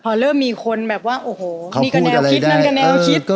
พอเริ่มมีคนแบบว่าโอ้โหนี่ก็แนวคิดนั่นก็แนวคิด